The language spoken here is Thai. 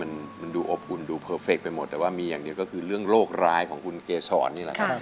มันดูอบอุ่นดูเพอร์เฟคไปหมดแต่ว่ามีอย่างเดียวก็คือเรื่องโรคร้ายของคุณเกษรนี่แหละครับ